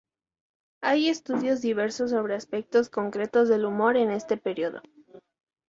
Hay estudios diversos sobre aspectos concretos del humor en este periodo.